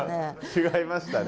違いましたね。